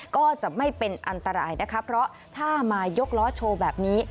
ก็จะไม่เป็นอันตรายนะคะเพราะถ้ามายกล้อโชว์แบบนี้